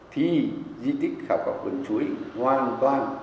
thì di tích khảo cổ vườn chuối hoàn toàn